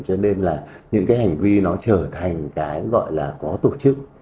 cho nên là những cái hành vi nó trở thành cái gọi là có tổ chức